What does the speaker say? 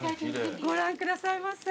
ご覧くださいませ。